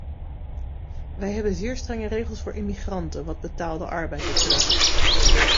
Wij hebben zeer strenge regels voor immigranten wat betaalde arbeid betreft.